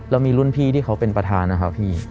แล้วมีรุ่นพี่ที่เขาเป็นประธานนะครับพี่